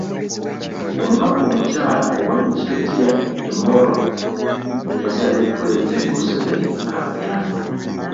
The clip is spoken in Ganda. Omubaka omukyala owa disitulikiti y'e Omoro yasabye Pulezidenti Museveni abayambe.